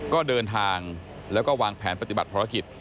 ก็เดินทางแล้วก็วางแผนปฏิบัติภารกิจ